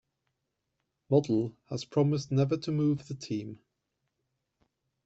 Modell had promised never to move the team.